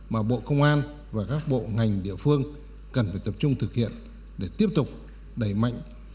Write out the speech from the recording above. mà bộ công an và các bộ ngành địa phương cần phải tập trung thực hiện để tiếp tục đẩy mạnh